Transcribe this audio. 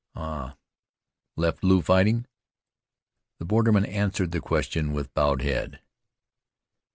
"Ah! Left Lew fighting?" The borderman answered the question with bowed head.